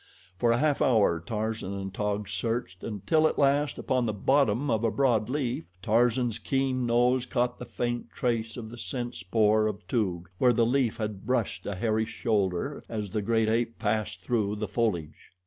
For a half hour Tarzan and Taug searched, until at last, upon the bottom of a broad leaf, Tarzan's keen nose caught the faint trace of the scent spoor of Toog, where the leaf had brushed a hairy shoulder as the great ape passed through the foliage.